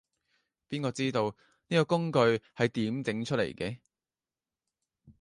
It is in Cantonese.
邊個知道，呢個工具係點整出嚟嘅